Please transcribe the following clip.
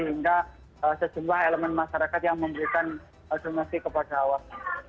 hingga sejumlah elemen masyarakat yang memberikan donasi kepada awak